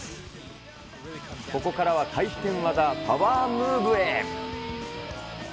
ここからは回転技、パワームーブへ。